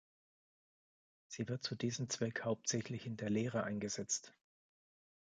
Sie wird zu diesem Zweck hauptsächlich in der Lehre eingesetzt.